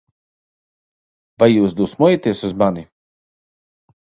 Vai jūs dusmojaties uz mani?